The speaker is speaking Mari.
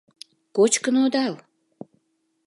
— Кочкын одал?